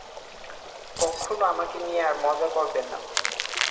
কক্ষনো আমাকে নিয়ে আর মজা করবে না।